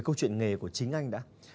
câu chuyện nghề của chính anh đã